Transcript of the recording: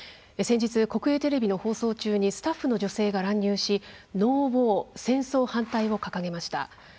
先日国営テレビの放送中にスタッフの女性が乱入し「ＮＯＷＡＲ」戦争反対を掲げました。